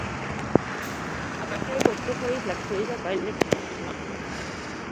Aga see kokkuhoid läks õige kalliks maksma.